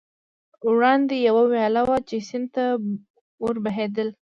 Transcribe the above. وړاندې یوه ویاله وه، چې سیند ته ور بهېدل.